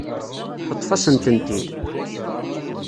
Teṭṭef-asent-tent-id.